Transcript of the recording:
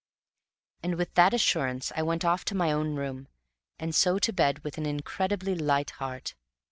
And with that assurance I went off to my own room, and so to bed with an incredibly light heart.